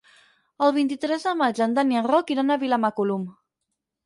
El vint-i-tres de maig en Dan i en Roc iran a Vilamacolum.